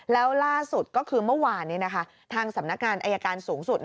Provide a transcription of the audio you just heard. แล้วล่าสุดก็คือเมื่อวานทางสำนักงานอายการสูงสุด